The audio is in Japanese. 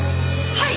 はい！